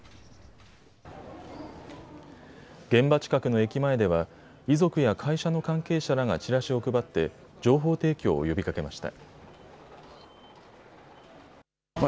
現場近くの駅前では遺族や会社の関係者らがチラシを配って情報提供を呼びかけました。